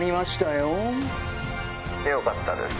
よかったです。